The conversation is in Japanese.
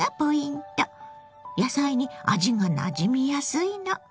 野菜に味がなじみやすいの。